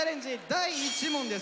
第１問です。